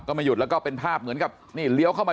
ไม่หยุดแล้วก็เป็นภาพเหมือนกับนี่เลี้ยวเข้ามา